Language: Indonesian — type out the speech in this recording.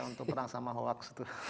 untuk perang sama hoax itu